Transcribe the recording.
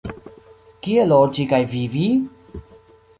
Kie loĝi kaj vivi?